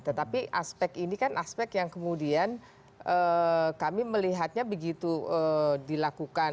tetapi aspek ini kan aspek yang kemudian kami melihatnya begitu dilakukan